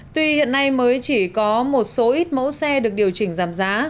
tuy hiện nay mới chỉ có một số ít mẫu xe được điều chỉnh giảm giá